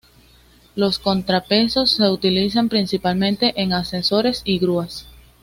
Los contrapesos se utilizan principalmente en ascensores y grúas.